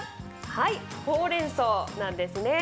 はい、ほうれんそうなんですね。